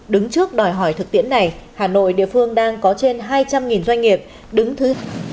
đứng trước đòi hỏi thực tiễn này hà nội địa phương đang có trên hai trăm linh doanh nghiệp đứng thứ